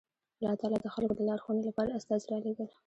الله تعالی د خلکو د لارښوونې لپاره استازي رالېږل